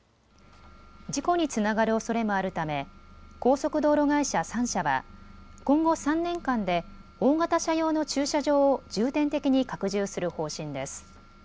事故につながるおそれもあるため高速道路会社３社は今後３年間で大型車用の駐車場を重点的に拡充する方針です。